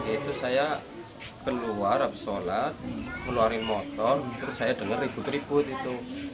itu saya keluar abis sholat ngeluarin motor terus saya dengar ribut ribut itu